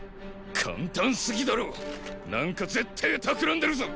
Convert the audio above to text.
簡単すぎだろ何かぜってー企んでるぞ！